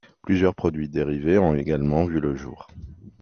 Plusieurs produits dérivés ont également vu le jour.